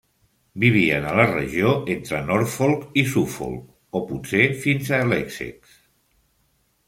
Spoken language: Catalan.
Vivien a la regió entre Norfolk i Suffolk o potser fins a l'Essex.